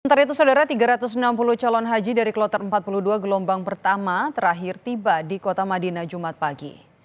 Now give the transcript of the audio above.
sementara itu saudara tiga ratus enam puluh calon haji dari kloter empat puluh dua gelombang pertama terakhir tiba di kota madinah jumat pagi